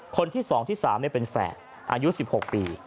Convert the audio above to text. คนที่๒ที่๓เป็นแฝดอายุ๑๖ปี